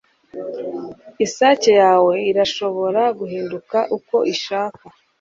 isake yawe irashobora guhinduka uko ishaka